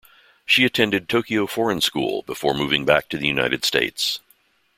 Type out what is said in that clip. She attended Tokyo Foreign School before moving back to the United States.